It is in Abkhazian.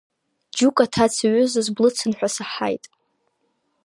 Џьука ҭацаҩызас блыцын ҳәа саҳаит…